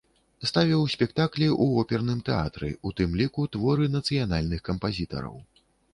Ставіў спектаклі і ў оперным тэатры, у тым ліку творы нацыянальных кампазітараў.